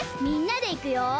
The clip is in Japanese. みんなでいくよ！